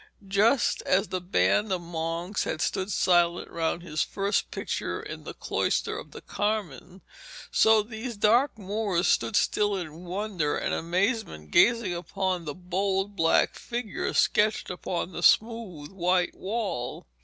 Just as the band of monks had stood silent round his first picture in the cloister of the Carmine, so these dark Moors stood still in wonder and amazement gazing upon the bold black figure sketched upon the smooth white wall.